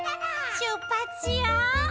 「しゅっぱつしよう！」